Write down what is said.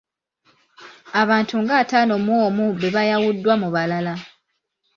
Abantu nga ataano mu omu be bayawuddwa mu balala.